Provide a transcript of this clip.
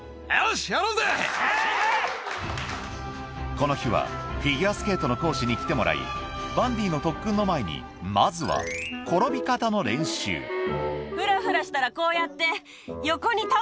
この日はフィギュアスケートの講師に来てもらいバンディの特訓の前にまずはふらふらしたらこうやって。